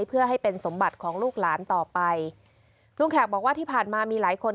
เพื่อให้เป็นสมบัติของลูกหลานต่อไปลุงแขกบอกว่าที่ผ่านมามีหลายคน